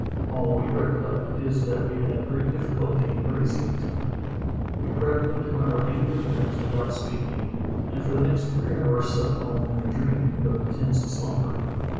All we recollect is that we had great difficulty in raising the tent. We crept into our rein deer bags without speaking, and for the next three hours slept on in a dreamy but intense slumber.